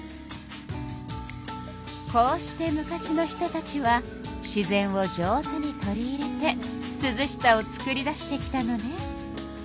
こうして昔の人たちは自然を上手に取り入れてすずしさをつくり出してきたのね。